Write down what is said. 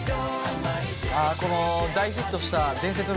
あこの大ヒットした伝説の曲ですね。